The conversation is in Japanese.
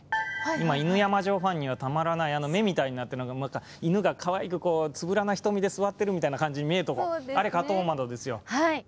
今、犬山城ファンにはたまらない目みたいになってるのが犬がかわいく、つぶらな瞳で座ってるみたいな感じに見えるとこ、あれ、花頭窓ですよ。